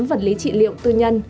vật lý trị liệu tư nhân